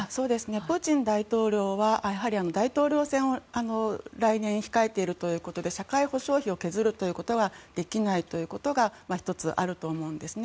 プーチン大統領は大統領選を来年に控えているということで社会保障費を削るということはできないということが１つあると思うんですね。